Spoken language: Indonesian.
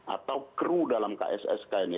atau kru dalam kssk ini